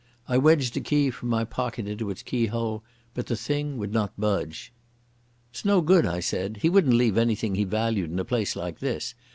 I wedged a key from my pocket into its keyhole, but the thing would not budge. "It's no good," I said. "He wouldn't leave anything he valued in a place like this.